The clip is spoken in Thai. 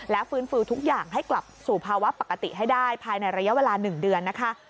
ฟื้นฟูทุกอย่างให้กลับสู่ภาวะปกติให้ได้ภายในระยะเวลา๑เดือนนะคะ